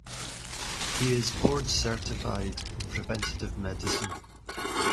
He is board certified in preventive medicine.